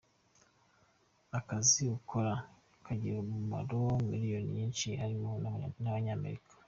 Akazi ukora kagirira umumaro miliyoni nyinshi harimo n’Abanyamerika.